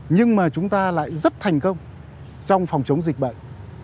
nhưng mà chúng ta lại rất thành công trong phòng chống dịch bệnh